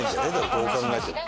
どう考えても。